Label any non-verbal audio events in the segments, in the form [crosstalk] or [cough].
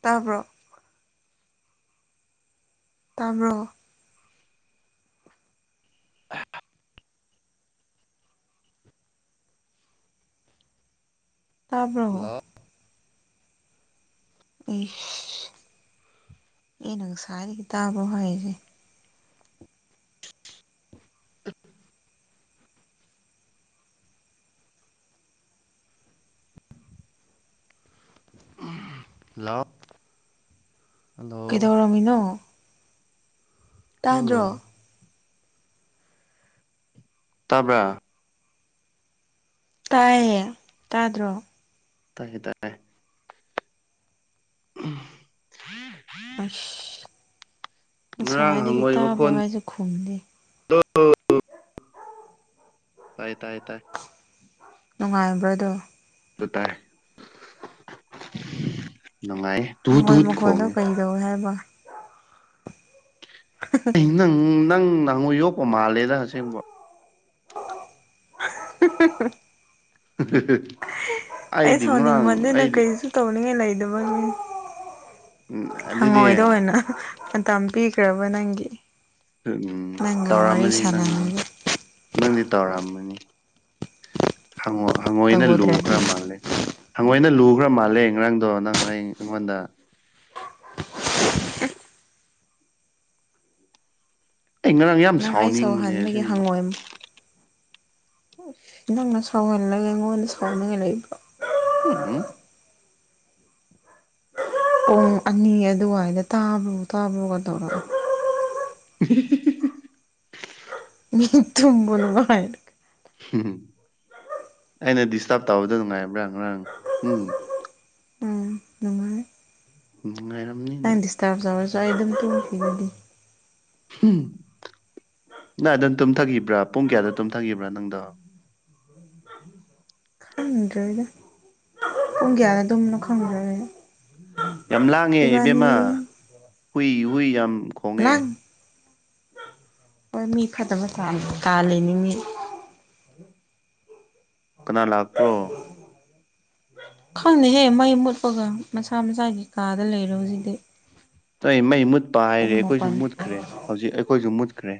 ꯇꯥꯕ꯭ꯔꯣ ꯇꯥꯕ꯭ꯔꯣ [unintelligible] ꯇꯥꯕ꯭ꯔꯣ ꯍꯜꯂꯣ ꯏꯁ ꯑꯩꯅ ꯉꯥꯁꯏꯗꯒꯤ ꯇꯥꯕ꯭ꯔꯣ ꯍꯥꯏꯖꯦ ꯍꯜꯂꯣ ꯍꯜꯂꯣ ꯀꯩꯗꯧꯔꯝꯃꯤꯅꯣ ꯍꯜꯂꯣ ꯇꯥꯗ꯭ꯔꯣ ꯇꯥꯕ꯭ꯔ ꯇꯥꯏꯌꯦ ꯇꯥꯗ꯭ꯔꯣ ꯇꯥꯒꯦ ꯇꯥꯏ [unintelligible] ꯑꯩꯁ ꯉꯔꯥꯡ ꯅꯁꯥꯏꯋꯥꯏꯗꯒꯤ ꯍꯪꯉꯣꯏ ꯇꯥꯕ꯭ꯔꯣ ꯃꯈꯣꯟ ꯍꯥꯏꯖꯦ ꯈꯨꯝꯗꯦ ꯇꯥꯏ ꯇꯥꯏ ꯇꯥꯏ ꯅꯨꯡꯉꯥꯏꯕ꯭ꯔꯗꯣ ꯑꯗꯨ ꯇꯥꯏ ꯅꯨꯡꯉꯥꯏ ꯍꯉꯣꯏ ꯃꯈꯣꯟꯗꯣ ꯀꯩꯗꯧꯋꯦ ꯍꯥꯏꯕ ꯅꯪ ꯅꯪ ꯅꯪꯍꯉꯣꯏ ꯌꯣꯛꯄ ꯃꯥꯜꯂꯦꯗ ꯑꯁꯦꯡꯕ [unintelligible] ꯑꯩ ꯑꯩꯗꯤ ꯉꯔꯥꯡ ꯁꯥꯎꯅꯤꯡꯃꯟꯗꯅ ꯑꯩꯗꯤ ꯀꯩꯁꯨ ꯇꯧꯅꯤꯡꯉꯥꯏ ꯂꯩꯗꯕꯒꯤ ꯎꯝ ꯑꯗꯨꯗꯤ ꯍꯪꯉꯣꯏꯗ ꯑꯣꯏꯅ ꯃꯇꯝ ꯄꯤꯈ꯭ꯔꯕ ꯅꯪꯒꯤ ꯎꯝ ꯅꯪꯒ ꯋꯥꯔꯤ ꯇꯧꯔꯝꯃꯅꯤ ꯅꯪꯗꯤ ꯁꯥꯟꯅꯅꯤꯡꯕ ꯅꯪꯗꯤ ꯇꯧꯔꯝꯃꯅꯤ ꯍꯪꯉꯣꯏ ꯍꯪꯉꯣꯏꯅ ꯇꯧꯗ꯭ꯔꯗꯤ ꯂꯨꯈ꯭ꯔ ꯃꯥꯜꯂꯦ ꯍꯪꯉꯣꯏꯅ ꯂꯨꯒ꯭ꯔ ꯃꯥꯜꯂꯦ ꯉꯔꯥꯡꯗꯣ ꯅꯪ ꯑꯩ ꯑꯩꯉꯣꯟꯗ ꯑꯩ ꯉꯔꯥꯡ ꯌꯥꯝ ꯅꯪ ꯑꯩ ꯁꯥꯎꯅꯤꯡꯕꯅꯦ ꯁꯧꯍꯟꯕꯒꯤ ꯑꯁꯦꯡꯕ ꯍꯪꯉꯣꯏ ꯅꯪꯅ ꯁꯧꯍꯦꯜꯂꯒ ꯑꯩꯉꯣꯟꯗ ꯁꯥꯎꯅꯤꯉꯥꯏ ꯂꯩꯕ꯭ꯔꯣ [unintelligible] ꯄꯨꯡ ꯑꯅꯤ ꯑꯗꯨꯋꯥꯏꯗ ꯇꯥꯕ꯭ꯔꯣ ꯇꯥꯕ꯭ꯔꯣꯒ ꯇꯧꯔꯒ ꯏꯍꯤ ꯍꯤ ꯍꯤ ꯇꯨꯝꯃꯨ ꯅꯨꯡꯉꯥꯏꯅ ꯍꯨꯝ ꯍꯨꯝ ꯑꯩꯅ ꯗꯤꯁꯇꯔꯕ ꯇꯧꯕꯗꯣ ꯅꯨꯡꯉꯥꯏꯕ꯭ꯔ ꯉꯔꯥꯡ ꯍꯨꯝ ꯎꯝ ꯅꯨꯡꯉꯥꯏ ꯅꯨꯡꯉꯥꯏꯔꯣ ꯅꯪ ꯗꯤꯁꯇꯥꯔꯞ ꯇꯧꯔꯁꯨ ꯑꯩ ꯑꯗꯨꯝ ꯇꯨꯝꯈꯤꯅꯤꯗꯤ ꯎꯝ ꯅꯪ ꯑꯗꯨꯝ ꯇꯨꯝꯊꯈꯤꯕ꯭ꯔꯥ ꯄꯨꯡ ꯀꯌꯥꯗ ꯇꯨꯝꯊꯈꯤꯕ꯭ꯔꯥ ꯅꯪꯗꯣ ꯈꯪꯗ꯭ꯔꯦꯗ ꯄꯨꯡ ꯀꯌꯥꯅ ꯇꯨꯝꯕꯅꯣ ꯈꯪꯗ꯭ꯔꯦꯗ ꯌꯥꯝ ꯂꯥꯡꯉꯦ ꯏꯕꯦꯝꯃ ꯍꯨꯏ ꯍꯨꯏ ꯌꯥꯝ ꯈꯣꯡꯉꯦ ꯂꯥꯡ ꯍꯣꯏ ꯃꯤ ꯐꯠꯇꯕ ꯇꯥꯜ ꯇꯥꯜꯂꯤꯅꯤ ꯃꯤ ꯀꯅꯥ ꯂꯥꯛꯄ꯭ꯔꯣ [inaudible] ꯈꯪꯗꯦꯍꯦ ꯃꯩ ꯃꯨꯠꯄꯒ ꯃꯁꯥ ꯃꯁꯥꯒꯤ ꯀꯥꯗ ꯂꯩꯔꯦ ꯍꯧꯖꯤꯛꯇꯤ ꯅꯣꯏ ꯃꯩ ꯃꯨꯠꯄ ꯄꯨꯡ ꯍꯥꯏꯔꯦ ꯑꯈꯣꯏꯖꯨ ꯃꯥꯄꯜ ꯃꯨꯠꯈ꯭ꯔꯦ ꯍꯧꯖꯤꯛ ꯑꯈꯣꯏꯖꯨ ꯃꯨꯠꯈ꯭ꯔꯦ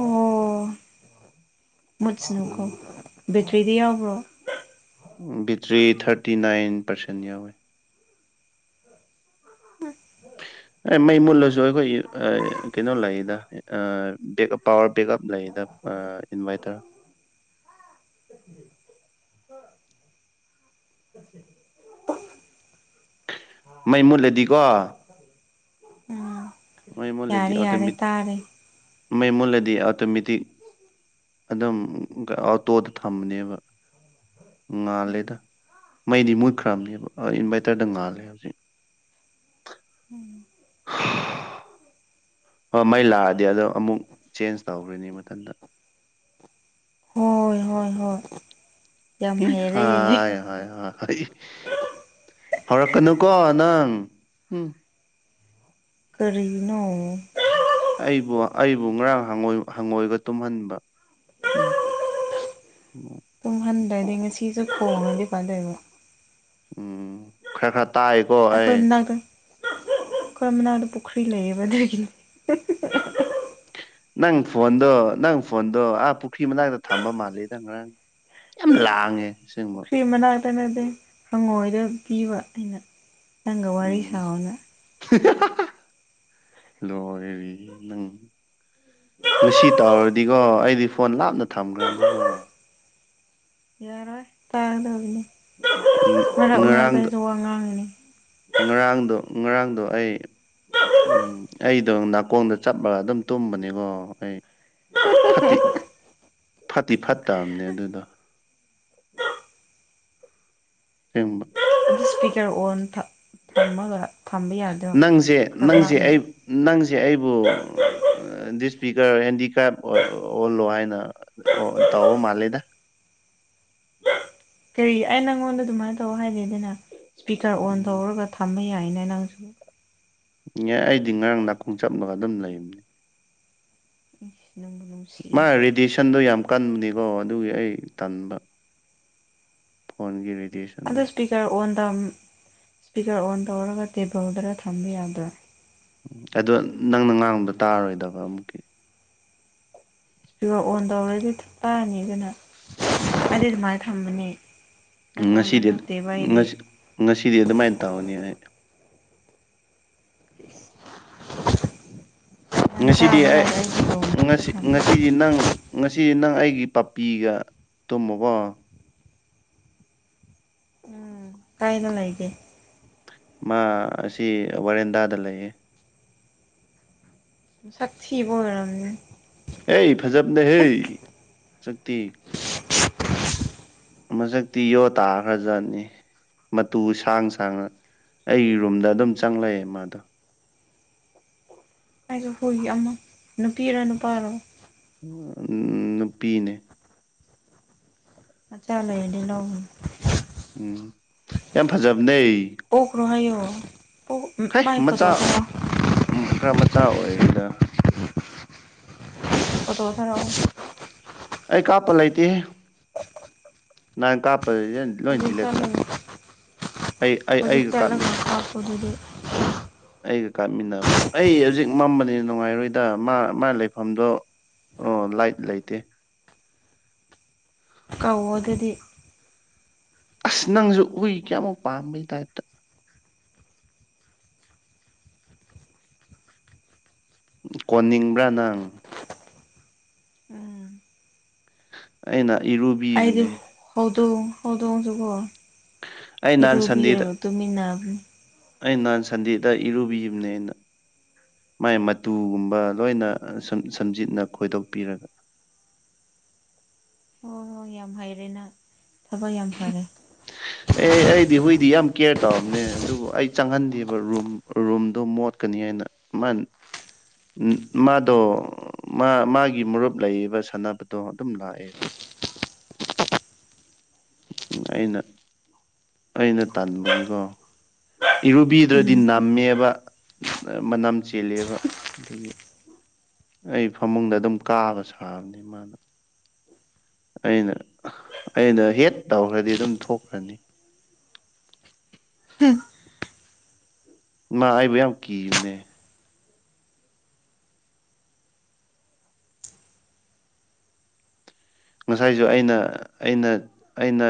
ꯑꯣ ꯃꯨꯠꯁꯅꯨꯀꯣ ꯎꯝ ꯕꯦꯇ꯭ꯔꯤꯗꯤ ꯌꯥꯎꯕ꯭ꯔꯣ ꯕꯦꯇ꯭ꯔꯤ ꯊꯥꯔꯇꯤ ꯅꯥꯏꯟ ꯄꯥꯔꯁꯦꯟ ꯌꯥꯎꯋꯦ ꯎꯝ ꯑꯦ ꯃꯩ ꯃꯨꯜꯂꯁꯨ ꯑꯩꯈꯣꯏꯒꯤ ꯀꯩꯅꯣ ꯂꯩꯌꯦꯗ ꯑꯥ ꯕꯦꯛ ꯄꯥꯋꯥꯔ ꯕꯦꯛ ꯑꯞ ꯂꯩꯌꯦꯗ ꯏꯟꯚꯥꯏꯇꯔ [inaudible] ꯃꯩ ꯃꯨꯠꯂꯗꯤꯀꯣ ꯎꯝ ꯃꯩ ꯃꯨꯠꯂꯗꯤ ꯌꯥꯔꯦ ꯌꯥꯔꯦ ꯑꯣꯇꯣꯃꯦ ꯇꯥꯔꯦ ꯃꯩ ꯃꯨꯠꯂꯗꯤ ꯑꯣꯇꯣꯃꯦꯇꯤꯛ ꯑꯗꯨꯝ ꯑꯣꯇꯣꯗ ꯊꯝꯕꯅꯦꯕ ꯉꯥꯜꯂꯦꯗ ꯃꯩꯗꯤ ꯃꯨꯠꯈ꯭ꯔꯕꯅꯦꯕ ꯑ ꯏꯟꯚꯔꯇꯔꯗ ꯉꯥꯜꯂꯦ ꯍꯧꯖꯤꯛ ꯎꯝ ꯍꯣꯏ ꯃꯩ ꯂꯥꯛꯑꯗꯤ ꯑꯗꯣ ꯑꯃꯨꯛ ꯆꯦꯟꯖ ꯇꯧꯈ꯭ꯔꯅꯤ ꯃꯊꯟꯇ ꯍꯣꯏ ꯍꯣꯏ ꯍꯣꯏ ꯌꯥꯝ ꯍꯩꯔꯦ ꯍꯣꯏ ꯍꯣꯏ ꯍꯣꯏ ꯍꯧꯔꯛꯀꯅꯨꯀꯣ ꯅꯪ ꯎꯝ ꯀꯔꯤꯒꯤꯅꯣ ꯑꯩꯕꯨ ꯑꯩꯕꯨ ꯉꯔꯥꯡ ꯍꯪꯉꯣꯏꯒ ꯇꯨꯝꯍꯟꯕ ꯎꯝ [inaudible] ꯇꯨꯝꯍꯟꯗ꯭ꯔꯗꯤ ꯉꯁꯤꯁꯨ ꯈꯣꯡꯉꯗꯤ ꯐꯗꯣꯏꯕꯥ ꯎꯝ ꯈꯔ ꯈꯔ ꯇꯥꯏ ꯑꯩꯈꯣꯏ ꯃꯅꯥꯛꯇ ꯑꯩꯈꯣꯏ ꯃꯅꯥꯛꯇ ꯄꯨꯈ꯭ꯔꯤ ꯂꯩꯌꯦꯕ ꯑꯗꯨꯒꯤ ꯅꯪ ꯐꯣꯟꯗꯣ ꯅꯪ ꯐꯣꯟꯗꯣ ꯑꯥ ꯄꯨꯈ꯭ꯔꯤ ꯃꯅꯥꯛꯇ ꯊꯝꯕ ꯃꯥꯜꯂꯦꯗꯥ ꯅꯪ ꯉꯔꯥꯡ ꯌꯥꯝ ꯂꯥꯡꯉꯦ ꯑꯁꯦꯡꯕ ꯄꯨꯈ꯭ꯔꯤ ꯃꯅꯥꯛꯇꯅꯗꯤ ꯍꯥꯉꯣꯏꯗ ꯄꯤꯕ ꯑꯩꯅ ꯅꯪꯒ ꯋꯥꯔꯤ ꯁꯥꯥꯎꯋꯣꯅ ꯂꯣꯏꯔꯦꯍꯦ ꯅꯪ ꯉꯁꯤ ꯇꯧꯔꯗꯤꯒꯣ ꯑꯩꯗꯤ ꯐꯣꯟ ꯂꯥꯞꯅ ꯊꯝꯈ꯭ꯔꯅꯤꯀꯣ ꯌꯥꯔꯣꯏ ꯇꯥꯒꯗꯧꯕꯅꯤ ꯎꯝ ꯉꯔꯥꯡꯗꯣ ꯉꯥꯡꯉꯤꯅꯤ ꯉꯔꯥꯡꯗꯣ ꯉꯔꯥꯡꯗꯣ ꯑꯩ ꯎꯝ ꯑꯩꯗꯣ ꯅꯥꯀꯣꯡꯗ ꯆꯞꯂꯒ ꯑꯗꯨꯝ ꯇꯨꯝꯕꯅꯤꯀꯣ ꯑꯩ ꯐꯠꯇꯤ ꯐꯠꯇꯤ ꯐꯠꯇꯕꯅꯦ ꯑꯗꯨꯗꯣ ꯑꯁꯦꯝꯕ ꯁ꯭ꯄꯤꯀꯔ ꯑꯣꯟ ꯊꯝ ꯊꯝꯃꯒ ꯊꯝꯕ ꯌꯥꯗ꯭ꯔꯣ ꯅꯪꯁꯦ ꯈꯔ ꯅꯪꯁꯦ ꯂꯥꯞꯅ ꯑꯩ ꯅꯪꯁꯦ ꯑꯩꯕꯨ ꯗꯁꯐꯤꯒꯔ ꯍꯦꯟꯗꯤꯀ꯭ꯔꯥꯏꯞ ꯑꯣꯜꯂꯣ ꯍꯥꯏꯅ ꯇꯧꯕ ꯃꯥꯜꯂꯦꯗ ꯀꯔꯤ ꯑꯩ ꯅꯪꯉꯣꯟꯗ ꯑꯗꯨꯃꯥꯏꯅ ꯇꯧ ꯍꯥꯏꯗꯦꯗꯅ ꯁ꯭ꯄꯤꯀꯔ ꯑꯣꯟ ꯎꯝ ꯇꯧꯔꯒ ꯊꯝꯕ ꯌꯥꯥꯏꯅ ꯅꯪ ꯌꯥꯏ ꯑꯩꯗꯤ ꯉꯔꯥꯡ ꯅꯥꯈꯣꯡꯆꯞꯂꯒ ꯑꯗꯨꯝ ꯂꯩꯕꯅꯦ ꯅꯪꯕꯨ ꯃꯥ ꯔꯦꯗꯤꯌꯦꯁꯟꯗꯣ ꯌꯥꯝ ꯀꯟꯕꯅꯤꯀꯣ ꯑꯗꯨꯒꯤ ꯑꯩ ꯇꯟꯕ ꯐꯣꯟꯒꯤ ꯔꯦꯗꯤꯌꯦꯁꯟ ꯑꯗꯣ ꯁ꯭ꯄꯤꯀꯔ ꯑꯣꯟ ꯁ꯭ꯄꯤꯀꯔ ꯑꯣꯟ ꯇꯧꯔꯒ ꯇꯦꯕꯜꯗꯔ ꯊꯝꯕ ꯌꯥꯗ꯭ꯔꯥ ꯑꯗꯣ ꯅꯪꯅ ꯉꯥꯡꯕꯗꯣ ꯇꯥꯔꯔꯣꯏꯗꯕ ꯑꯃꯨꯛꯀꯤ ꯑꯗꯨꯒ ꯁ꯭ꯄꯤꯀꯔ ꯑꯣꯟ ꯇꯧꯔꯗꯤ ꯇꯥꯅꯤꯗꯅ ꯎꯝ ꯑꯩꯗꯤ ꯑꯗꯨꯃꯥꯏꯅ ꯊꯝꯕꯅꯦ ꯅꯀꯣꯡꯗ ꯉꯁꯤꯗꯤ ꯅꯞꯇꯦꯕ ꯑꯩꯗꯤ ꯉꯁꯤ ꯉꯁꯤꯗꯤ ꯑꯗꯨꯃꯥꯏꯅ ꯇꯧꯅꯤ ꯑꯩ ꯅꯪ ꯉꯁꯤꯗꯤ ꯇꯥꯕ ꯑꯩ ꯍꯥꯏꯔ ꯑꯩꯒꯤ ꯅꯥꯛꯇ ꯉꯁꯤ ꯊꯝꯕ ꯉꯁꯤꯗꯤ ꯅꯪ ꯉꯁꯤ ꯅꯪ ꯑꯩꯒꯤ ꯄꯥꯄꯤꯒ ꯇꯨꯝꯃꯣꯀꯣ ꯎꯝ ꯀꯥꯏꯗ ꯂꯩꯒꯦ ꯃꯥ ꯑꯁꯤ ꯋꯥꯔꯦꯟꯗꯥꯗ ꯂꯩꯌꯦ ꯃꯁꯛ ꯊꯤꯕ ꯑꯣꯏꯔꯝꯅꯤ ꯑꯦꯏ ꯐꯖꯕꯅꯦꯍꯦ ꯁꯛꯇꯤ ꯃꯁꯛꯇꯤ ꯌꯣ ꯇꯥꯈ꯭ꯔꯖꯥꯠꯅꯤ ꯃꯇꯨ ꯁꯥꯡ ꯁꯥꯡꯅ ꯑꯩꯒꯤ ꯔꯨꯝꯗ ꯑꯗꯨꯝ ꯆꯪꯂꯛꯑꯦ ꯃꯥꯗꯣ ꯑꯩꯖꯨ ꯍꯣꯏꯒꯤ ꯑꯃ ꯅꯨꯄꯤꯔꯣ ꯅꯨꯄꯥꯔꯣ ꯎꯝ ꯅꯨꯄꯤꯅꯦ ꯃꯆꯥ ꯂꯩꯔꯗꯤ ꯂꯧꯅꯨ ꯎꯝ ꯌꯥꯝ ꯐꯖꯕꯅꯦ ꯇꯣꯛꯈ꯭ꯔꯣ ꯍꯥꯏꯌꯨ ꯍꯦ ꯃꯆꯥ ꯈꯔ ꯃꯆꯥ ꯑꯣꯏꯔꯤꯗ ꯐꯣꯇꯣ ꯊꯔꯛꯑꯣ ꯑꯩ ꯀꯥꯞꯄ ꯂꯩꯇꯦꯍꯦ ꯅꯥꯏꯟ ꯀꯥꯞ [unintelligible] ꯂꯣꯏ ꯍꯧꯖꯤꯛ ꯗꯤꯂꯦꯠ ꯆꯠꯂꯦ ꯆꯠꯂꯒ ꯑꯩ ꯑꯩ ꯑꯩꯒ ꯀꯥꯞꯃꯤꯟ ꯑꯖ ꯑꯗꯨꯗꯤ ꯑꯩꯒ ꯀꯥꯞꯃꯤꯟꯅꯕ ꯑꯩ ꯍꯧꯖꯤꯛ ꯃꯝꯕꯅꯤ ꯅꯨꯡꯉꯥꯏꯔꯣꯏꯗ ꯃꯥ ꯃꯥ ꯂꯩꯐꯝꯗꯣ ꯑꯣ ꯂꯥꯏꯠ ꯂꯩꯇꯦ ꯀꯧ ꯋꯣ ꯑꯗꯨꯗꯤ ꯑꯁ ꯅꯪꯖꯨ ꯍꯨꯏ ꯀꯌꯥꯃꯨꯛ ꯄꯥꯝꯕꯩ ꯇꯥꯏꯞꯇ ꯀꯣꯟꯅꯤꯡꯕ꯭ꯔꯥ ꯅꯪ ꯎꯝ ꯑꯩꯅ ꯑꯩꯗꯤ ꯏꯔꯨꯕꯤꯕꯅꯦ ꯍꯧꯗꯣꯡ ꯍꯧꯗꯣꯡꯖꯨꯀꯣ ꯑꯩ ꯅꯍꯥꯟ ꯏꯔꯨꯕꯤꯔꯥ ꯁꯟꯗꯦꯗ ꯇꯨꯃꯤꯟꯅꯕꯅꯦ ꯑꯩ ꯅꯍꯥꯟ ꯁꯟꯗꯦꯗ ꯏꯔꯨꯕꯤꯕꯅꯦꯅ ꯃꯥꯏ ꯃꯇꯨꯒꯨꯝꯕ ꯂꯣꯏꯅ ꯁꯝ ꯁꯝꯖꯤꯠꯅ ꯈꯣꯏꯗꯣꯛꯄꯤꯔꯒ ꯍꯣ ꯍꯣꯏ ꯌꯥꯝ ꯍꯩꯔꯦ ꯅꯪ ꯊꯕꯛ ꯌꯥꯝ ꯐꯥꯔꯦ ꯑꯦ ꯑꯩꯗꯤ ꯍꯨꯏꯗꯤ ꯌꯥꯝ ꯀꯦꯌꯔ ꯇꯧꯕꯅꯦ ꯑꯗꯨꯕꯨ ꯑꯩ ꯆꯪꯍꯟꯗꯦꯕ ꯔꯨꯝ ꯔꯨꯝꯗꯣ ꯃꯣꯠꯀꯅꯤ ꯍꯥꯏꯅ ꯃꯥꯟ ꯃꯥꯗꯣ ꯃꯥ ꯃꯥꯒꯤ ꯃꯔꯨꯞ ꯂꯩꯌꯦꯕ ꯁꯥꯟꯅꯕꯗꯣ ꯑꯗꯨꯝ ꯂꯥꯛꯑꯦꯕ ꯎꯝ ꯑꯩꯅ ꯑꯩꯅ ꯇꯟꯕꯒꯤꯀꯣ ꯏꯔꯨꯕꯤꯗ꯭ꯔꯗꯤ ꯎꯝ ꯅꯝꯃꯦꯕ ꯃꯅꯝ ꯆꯦꯜꯂꯦꯕ ꯑꯗꯨꯒꯤ ꯑꯩ ꯐꯃꯨꯡꯗ ꯑꯗꯨꯝ ꯀꯥꯕ ꯁꯥꯕꯅꯤ ꯃꯥꯅ ꯑꯩꯅ ꯑꯩꯅ ꯍꯦꯠ ꯇꯧꯈ꯭ꯔꯗꯤ ꯑꯗꯨꯝ ꯊꯣꯛꯈ꯭ꯔꯅꯤ ꯃꯥ ꯑꯩꯕꯨ ꯌꯥꯝ ꯀꯤꯝꯅꯦ ꯉꯁꯥꯏꯖꯨ ꯑꯩꯅ ꯑꯩꯅ ꯑꯩꯅ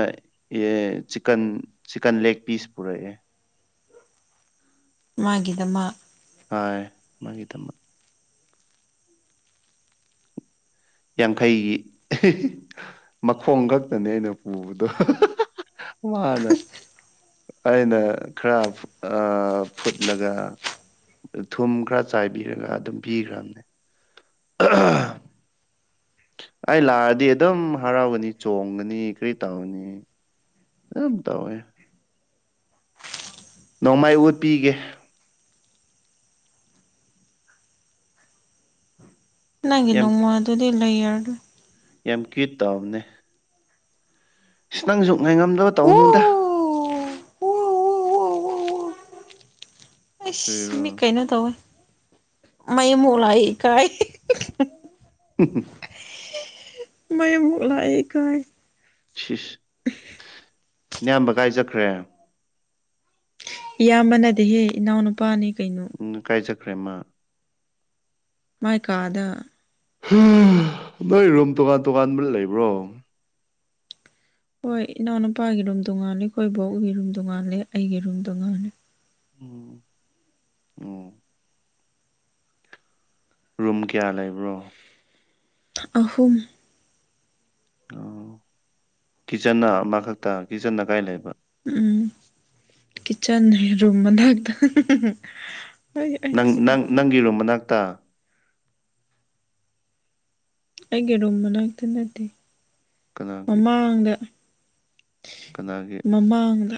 ꯑꯦ ꯆꯤꯛꯀꯟ ꯆꯤꯛꯀꯟ ꯂꯦꯛ ꯄꯤꯁ ꯄꯨꯔꯛꯑꯦ ꯃꯥꯒꯤꯗꯃꯛ ꯑꯥꯏ ꯃꯥꯒꯤꯗꯃꯛ ꯌꯥꯡꯈꯩꯒꯤ [unintelligible] ꯃꯈꯣꯡ ꯈꯛꯇꯅꯦ ꯑꯩꯅ ꯄꯨꯕꯗꯣ [unintelligible] ꯃꯥꯅ ꯑꯩꯅ ꯈꯔ ꯐꯨꯠ ꯑ ꯐꯨꯠꯂꯒ ꯊꯨꯝ ꯈꯔ ꯆꯥꯏꯕꯤꯔꯒ ꯑꯗꯨꯝ ꯄꯤꯒ꯭ꯥꯔꯝꯅꯦ [inaudible] ꯑꯩ ꯂꯥꯛꯑꯗꯤ ꯑꯗꯨꯝ ꯍꯔꯥꯎꯒꯅꯤ ꯆꯣꯡꯒꯅꯤ ꯀꯔꯤ ꯇꯧꯅꯤ ꯌꯝ ꯇꯧꯋꯦ ꯅꯣꯡꯃꯩ ꯎꯠꯄꯤꯒꯦ ꯅꯪꯒꯤ ꯌꯥꯝ ꯅꯣꯡꯃꯥ ꯗꯨꯗꯤ ꯂꯩꯔꯥꯅꯨ ꯌꯥꯝ ꯀꯨꯏꯠ ꯇꯧꯕꯅꯦ [unintelligible] ꯅꯪꯁꯨ ꯉꯥꯏꯉꯝꯗꯕ ꯇꯧꯅꯨꯗ ꯑꯣ ꯑꯣ ꯑꯏꯁ ꯀꯔꯤꯔꯣ ꯃꯤ ꯀꯩꯅꯣ ꯇꯧꯋꯦ ꯃꯩ ꯑꯃꯨꯛ ꯂꯥꯛꯑꯦ ꯏꯀꯥꯏ [unintelligible] [unintelligible] ꯃꯩ ꯑꯃꯨꯛ ꯂꯥꯛꯑꯦ ꯏꯀꯥꯏ ꯁꯤꯁ ꯅꯌꯥꯝꯕ ꯀꯥꯏ ꯆꯠꯈ꯭ꯔꯦ ꯏꯌꯥꯝꯕ ꯅꯠꯇꯦꯍꯦ ꯏꯅꯥꯎ ꯅꯨꯨꯄꯥꯅꯤ ꯀꯩꯅꯣ [unintelligible] ꯀꯥꯏ ꯆꯠꯈ꯭ꯔꯦ ꯃꯥ ꯃꯥꯏ ꯀꯥꯗ [unintelligible] ꯅꯣꯏ ꯔꯨꯝ ꯇꯣꯉꯥꯟ ꯇꯣꯉꯥꯟꯕ ꯂꯩꯕ꯭ꯔꯣ ꯍꯣꯏ ꯏꯅꯥꯎ ꯅꯨꯄꯥꯒꯤ ꯔꯨꯝ ꯇꯣꯉꯥꯜꯂꯦ ꯈꯣꯏ ꯕꯣꯛꯒꯤ ꯔꯨꯝ ꯇꯣꯉꯥꯜꯂꯦ ꯑꯩꯒꯤ ꯔꯨꯝ ꯇꯣꯉꯥꯜꯂꯦ ꯎꯝ ꯔꯨꯝ ꯀꯌꯥ ꯂꯩꯕ꯭ꯔꯣ ꯑꯍꯨꯝ [unintelligible] ꯀꯤꯠꯆꯟꯅ ꯑꯃꯈꯛꯇ ꯀꯤꯠꯆꯟꯅ ꯀꯥꯏ ꯂꯩꯕ ꯎꯝ ꯀꯤꯆꯟ ꯔꯨꯝ ꯃꯅꯥꯛꯇ [unintelligible] ꯅꯪ ꯑꯩ ꯑꯩ ꯅꯪ ꯅꯪꯒꯤ ꯔꯨꯝ ꯃꯅꯥꯛꯇ ꯑꯩꯒꯤ ꯔꯨꯝ ꯃꯅꯥꯛꯇ ꯅꯠꯇꯦ ꯀꯅꯥꯒꯤ ꯃꯃꯥꯡꯗ ꯀꯅꯥꯒꯤ ꯃꯃꯥꯡꯗ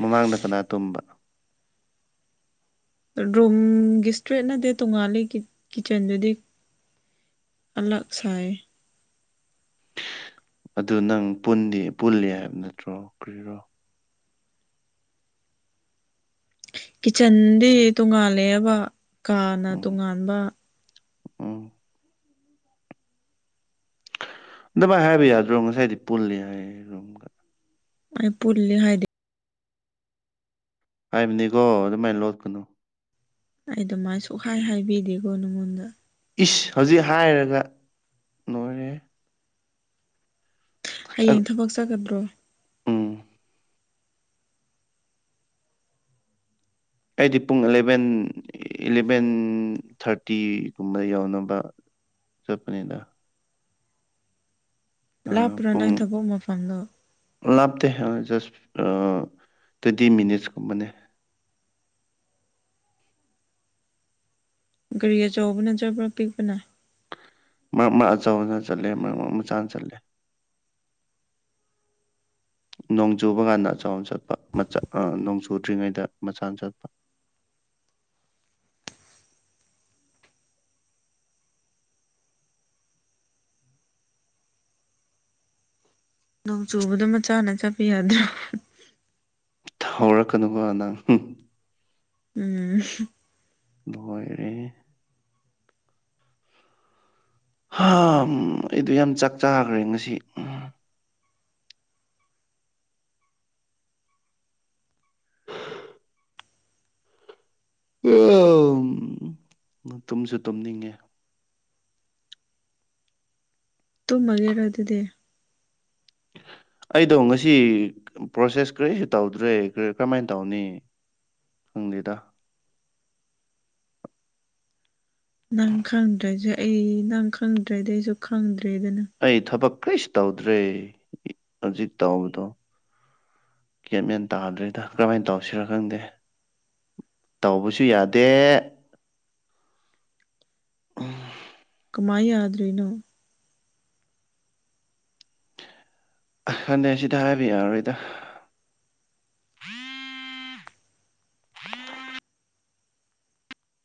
ꯃꯃꯥꯡꯗ ꯀꯅꯥ ꯇꯨꯝꯕ ꯔꯨꯝꯒꯤ ꯏꯁꯇ꯭ꯔꯦꯠ ꯅꯠꯇꯦ ꯇꯣꯡꯉꯥꯜꯂꯤ ꯀꯤ ꯀꯤꯠꯆꯟꯗꯨꯗꯤ ꯑꯥꯂꯛ ꯁꯥꯏꯌꯦ ꯑꯗꯨ ꯅꯪ ꯄꯨꯟꯗꯤ ꯄꯨꯜꯂꯤ ꯍꯥꯏꯕ ꯅꯠꯇ꯭ꯔꯣ ꯀꯔꯤꯔꯣ ꯀꯤꯠꯆꯟꯗꯤ ꯇꯣꯉꯥꯜꯂꯦꯕ ꯀꯥꯅ ꯎꯝ ꯇꯣꯉꯥꯟꯕ ꯎꯝ ꯗꯨꯃꯥꯏ ꯍꯥꯏꯕ ꯌꯥꯗ꯭ꯔꯣ ꯉꯁꯥꯏꯗꯤ ꯄꯨꯜꯂꯦ ꯍꯥꯏꯌꯦ ꯔꯨꯝꯒ ꯑꯩ ꯄꯨꯜꯂꯤ ꯍꯥꯏꯗꯦ ꯍꯥꯏꯕꯅꯤꯀꯣ ꯑꯗꯨꯃꯥꯏ ꯂꯣꯠꯀꯅꯨ ꯑꯩ ꯑꯗꯨꯃꯥꯏ ꯁꯨꯛꯍꯥꯏ ꯍꯥꯏꯕꯤꯗꯦꯀꯣ ꯅꯉꯣꯟꯗ ꯏꯁ ꯍꯧꯖꯤꯛ ꯍꯥꯏꯔꯒ ꯂꯣꯏꯔꯦꯍꯦ ꯍꯥꯌꯦꯡ ꯊꯕꯛ ꯆꯠꯒꯗ꯭ꯔꯣ ꯎꯝ ꯑꯩꯗꯤ ꯄꯨꯡ ꯑꯦꯂꯕꯦꯟ ꯏꯂꯚꯦꯟ ꯊꯥꯔꯇꯤꯒꯨꯝꯕ ꯌꯧꯅꯕ ꯆꯠꯄꯅꯦꯗ ꯑ ꯂꯥꯞꯄ꯭ꯔꯥ ꯅꯪ ꯄꯨꯡ ꯊꯕꯛ ꯃꯐꯝꯗꯣ ꯂꯥꯞꯇꯦ ꯑꯥ ꯖꯁ ꯑꯥ ꯇ꯭ꯋꯨꯟꯇꯤ ꯃꯤꯅꯤꯠꯁ ꯀꯨꯝꯕꯅꯦ ꯒꯥꯔꯤ ꯑꯆꯧꯕꯅ ꯆꯠꯄ꯭ꯔꯥ ꯄꯤꯛꯄꯅ ꯃꯔꯛ ꯃꯔꯛ ꯑꯆꯧꯕꯅ ꯆꯠꯂꯦ ꯃꯔꯛ ꯃꯔꯛ ꯃꯆꯥꯅ ꯆꯠꯂꯦ ꯅꯣꯡ ꯆꯨꯕ ꯀꯥꯟꯗ ꯑꯆꯧꯕ ꯆꯠꯄ ꯃꯆꯥ ꯑꯥ ꯅꯣꯡ ꯆꯨꯗ꯭ꯔꯤꯉꯩꯗ ꯃꯆꯥꯅ ꯆꯠꯄ ꯅꯣꯡ ꯆꯨꯕꯗꯣ ꯃꯆꯥꯅ ꯆꯠꯄ ꯌꯥꯗ꯭ꯔꯦ ꯊꯧꯔꯛꯀꯅꯨꯀꯣ ꯅꯪ [unintelligible] ꯎꯝ ꯂꯣꯏꯔꯦꯍꯦ ꯍꯥ ꯑꯩꯗꯣ ꯌꯥꯝ ꯆꯥꯛ ꯆꯥꯈ꯭ꯔꯦ ꯉꯁꯤ [unintelligible] ꯇꯨꯝꯁꯨ ꯇꯨꯝꯅꯤꯡꯉꯦ ꯇꯨꯝꯃꯥꯒꯦꯔꯣ ꯑꯗꯨꯗꯤ ꯑꯩꯗꯣ ꯉꯁꯤ ꯄ꯭ꯔꯣꯁꯦꯁ ꯀꯔꯤꯁꯨ ꯇꯧꯗ꯭ꯔꯦ ꯀꯔꯝꯃꯥꯏꯅ ꯇꯧꯅꯤ ꯈꯪꯗꯦꯗ ꯅꯪ ꯈꯪꯗ꯭ꯔꯁꯖꯨ ꯑꯩ ꯅꯪ ꯈꯪꯗ꯭ꯔꯗꯤ ꯑꯩꯁꯨ ꯈꯪꯗ꯭ꯔꯦꯗꯨꯅꯤ ꯑꯩ ꯊꯕꯛ ꯀꯔꯤꯁꯨ ꯇꯧꯗ꯭ꯔꯦ ꯍꯧꯖꯤꯛ ꯇꯧꯕꯗꯣ ꯒ꯭ꯌꯥꯟ ꯃꯦꯟ ꯇꯥꯗꯔꯦꯗ ꯀꯔꯝꯃꯥꯏꯅ ꯇꯧꯔꯁꯤꯔꯥ ꯈꯪꯗꯦ ꯇꯧꯕꯁꯨ ꯌꯥꯗꯦ ꯀꯃꯥꯏ ꯌꯥꯗ꯭ꯔꯤꯅꯣ ꯈꯪꯗꯦ ꯑꯁꯤꯗ ꯍꯥꯏꯕ ꯌꯥꯔꯣꯏꯗ